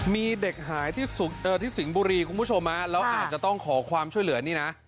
มีเด็กหายที่สิงห์บุรีคุณผู้ชมแล้วอาจจะต้องขอความช่วยเหลือนี่นะ